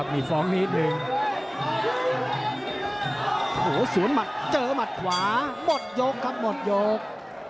โหสวนมัดเจอมัดขวาหมดโยกครับหมดโยก